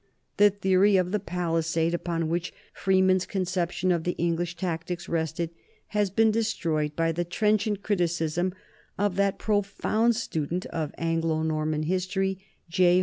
The theory of the pali sade upon which Freeman's conception of the English tactics rested has been destroyed by the trenchant criti cism of that profound student of Anglo Norman history, J.